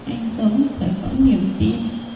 anh sống phải có niềm tin